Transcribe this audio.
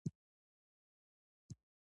ځمکه د افغان ځوانانو د هیلو استازیتوب کوي.